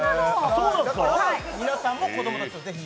だから皆さんも子供たちとぜひ。